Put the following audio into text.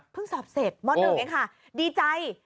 พึ่งสอบเสร็จหม้อหนึ่งเองค่ะดีใจ